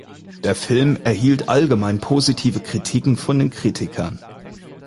Der Film erhielt allgemein positive Kritiken von Kritikern.